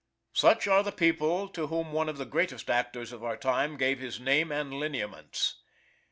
Such are the people to whom one of the greatest actors of our time gave his name and lineaments.